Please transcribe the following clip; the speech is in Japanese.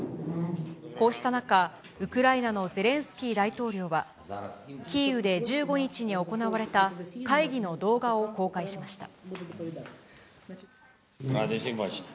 こうした中、ウクライナのゼレンスキー大統領は、キーウで１５日に行われた会議の動画を公開しました。